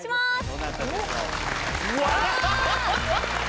どなたでしょう？わ！